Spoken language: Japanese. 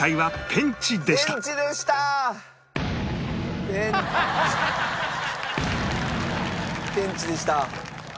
ペンチでした。